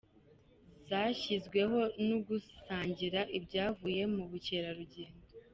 zashyizweho ni ugusangira ibyavuye mu bukerarugendo